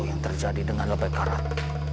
yang terjadi dengan lebak karat